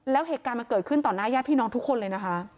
แล้วเหตุการณ์มันเกิดขึ้นต่อหน้าญาติพี่น้องทุกคนเลยนะคะ